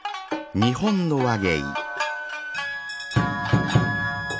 「日本の話芸」